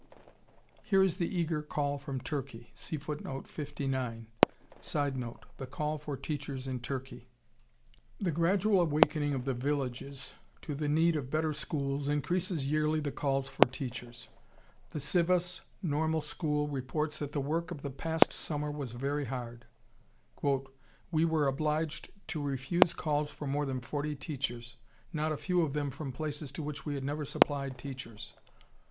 Here is the eager call from Turkey: [Sidenote: The call for teachers in Turkey.] The gradual awakening of the villages to the need of better schools increases yearly the calls for teachers. The Sivas Normal School reports that the work of the past summer was very hard. "We were obliged to refuse calls for more than forty teachers, not a few of them from places to which we had never supplied teachers.